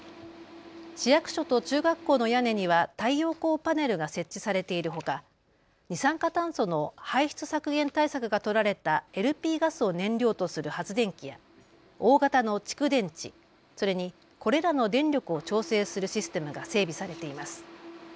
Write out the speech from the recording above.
市役所と中学校の屋根には太陽光パネルが設置されているほか二酸化炭素の排出削減対策が取られたＬＰガスを燃料とする発電機や大型の蓄電池、それにこれらの電力を調整するシステムが整備されています。